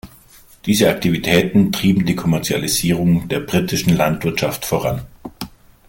Diese Aktivitäten trieben die Kommerzialisierung der britischen Landwirtschaft voran.